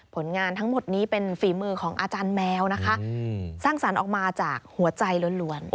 ผลงานทั้งหมดนี้เป็นฝีมือของอาจารย์แมวนะคะสร้างสรรค์ออกมาจากหัวใจล้วน